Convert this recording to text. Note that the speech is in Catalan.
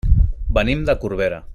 Venim de Corbera.